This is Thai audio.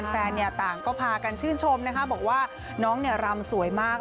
แฟนเนี่ยต่างก็พากันชื่นชมนะคะบอกว่าน้องเนี่ยรำสวยมาก